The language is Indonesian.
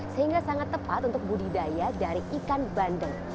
sehingga sangat tepat untuk budidaya dari ikan bandeng